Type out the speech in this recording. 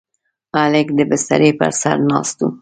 هلک د بسترې پر سر ناست و.